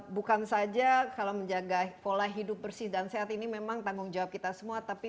bukan saja kalau menjaga pola hidup bersih dan sehat ini memang tanggung jawab kita semua tapi